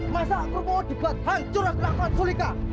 masa aku mau dibuat hancur akal akal sulika